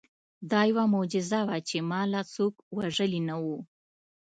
دا یوه معجزه وه چې ما لا څوک وژلي نه وو